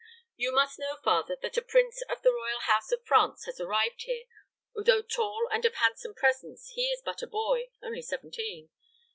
"You must know, father, that a prince of the royal house of France has arrived here. Although tall and of handsome presence, he is but a boy only seventeen.